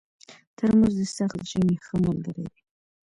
ترموز د سخت ژمي ښه ملګری دی.